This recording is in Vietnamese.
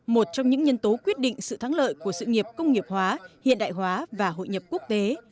một trong những nhân tố quyết định sự thắng lợi của sự nghiệp công nghiệp hóa hiện đại hóa và hội nhập quốc tế